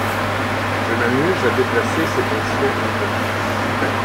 Je m'amuse à déplacer ces pensées en moi.